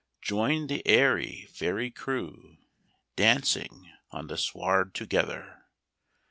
Join the airy fairy crewDancing on the sward together!